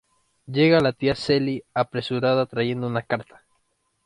Llega la tía Celi apresurada, trayendo una carta.